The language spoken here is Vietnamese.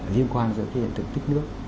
liên quan giữa cái hiện tượng tích nước